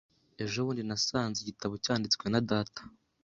Ejo bundi nasanze igitabo cyanditswe na data.